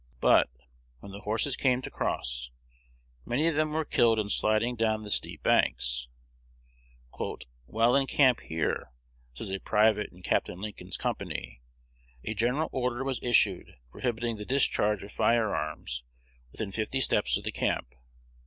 But, when the horses came to cross, many of them were killed in sliding down the steep banks. "While in camp here," says a private in Capt. Lincoln's company, "a general order was issued prohibiting the discharge of fire arms within fifty steps of the camp.